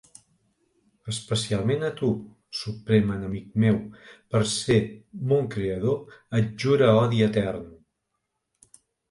Especialment a tu, suprem enemic meu, per ser mon creador, et jure odi etern.